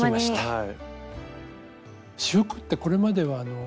はい。